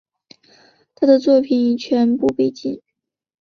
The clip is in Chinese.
他的作品也全部被禁。